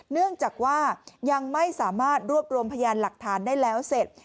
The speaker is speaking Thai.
เนื่องจากว่ายังไม่สามารถรวบรวมพยานหลักฐานได้แล้วเสร็จ